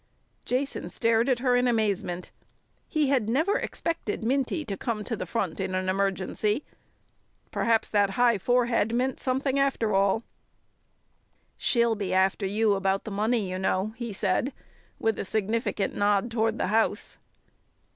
Jason stared at her in amazement. He had never expected Minty to come to the front in an emergency. Perhaps the high forehead meant something after all. "She'll be after you about the money, you know," he said, with a significant nod toward the house.